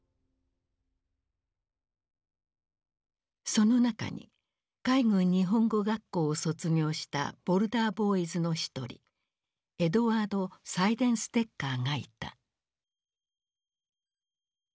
その中に海軍日本語学校を卒業したボルダー・ボーイズの一人エドワード・サイデンステッカーがいた。